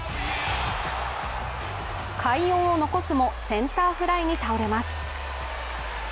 快音を残すも、センターフライに倒れます。